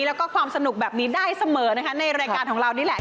แล้วก็ความสนุกแบบนี้ได้เสมอนะคะในรายการของเรานี่แหละ